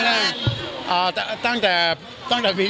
หรือว่าไม่ค่อย